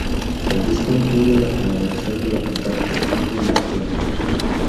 El disco incluye la colaboración de la cantante India Martínez.